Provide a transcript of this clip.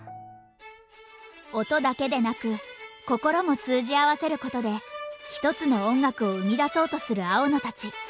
音だけでなく心も通じあわせることで１つの音楽を生み出そうとする青野たち。